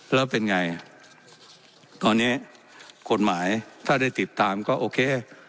แล้วเป็นไงตอนนี้กฎหมายถ้าได้ติดตามก็โอเค